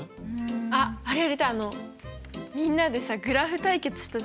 あっあれやりたいあのみんなでさグラフ対決したじゃん。